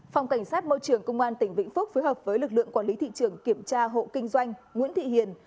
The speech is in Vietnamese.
phòng cảnh sát môi trường công an tỉnh vĩnh phúc phối hợp với lực lượng quản lý thị trường kiểm tra hộ kinh doanh nguyễn thị hiền